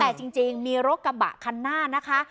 แต่จริงมีรถกระบะคันหน้านะคะ